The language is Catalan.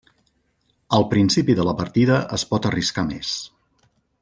Al principi de la partida es pot arriscar més.